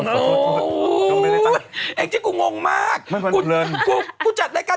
แม่ก็คงไม่ได้รู้อะไรหรอกมั้ง